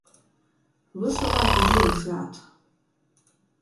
Vysu laiku gieļs ād.